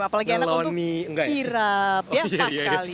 apalagi enak untuk kirap ya